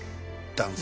男性。